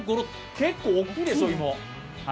結構大きいでしょう？